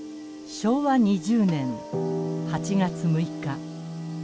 昭和２０年８月６日。